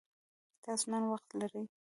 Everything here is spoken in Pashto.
تاسو نن وخت لری؟